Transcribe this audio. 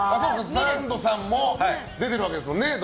サンドさんも出てるわけですもんね